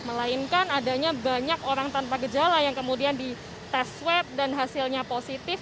melainkan adanya banyak orang tanpa gejala yang kemudian dites swab dan hasilnya positif